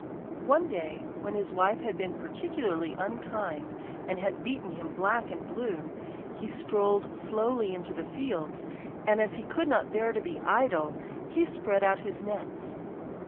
One day, when his wife had been particularly unkind and had beaten him black and blue, he strolled slowly into the fields, and as he could not endure to be idle he spread out his nets.